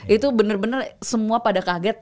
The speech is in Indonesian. itu bener bener semua pada kaget